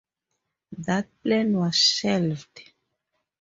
That plan was shelved.